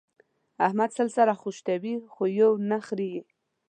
احمد سل سره خيشتوي؛ خو يو نه خرېي.